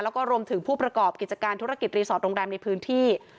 แล้วก็รวมถึงผู้ประกอบกิจการธุรกิจรีสอร์ทโรงแรมในพื้นที่